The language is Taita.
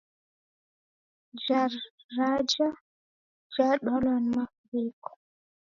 Jaraja yadwala ni mafuriko